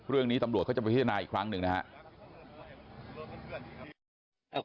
เรื่องนี้ตำรวจเขาจะพิจารณาอีกครั้งหนึ่งนะครับ